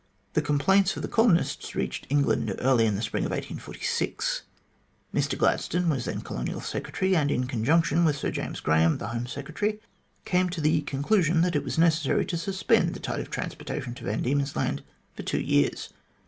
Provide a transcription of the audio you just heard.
The complaints of the colonists reached England early in the spring of 1846. Mr Gladstone was then Colonial Secretary, and in conjunction with Sir James Graham, the Home Secretary, came to the conclusion that it was necessary to suspend the tide of transportation to Van Diemen's Land for two years.